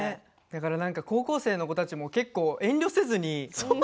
だから高校生の子たちも結構遠慮せずに。